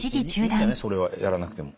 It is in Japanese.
それはやらなくても。